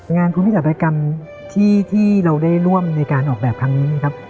งานคุณวิจักรัยกรรมที่เราได้ร่วมในการออกแบบครั้งนี้นะครับ